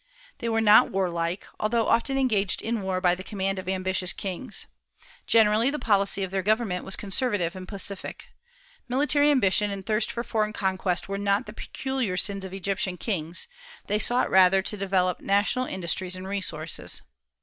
They were not warlike, although often engaged in war by the command of ambitious kings. Generally the policy of their government was conservative and pacific. Military ambition and thirst for foreign conquest were not the peculiar sins of Egyptian kings; they sought rather to develop national industries and resources.